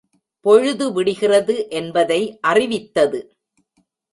பொழுது விடிகிறது என்பதை அறிவித்தது.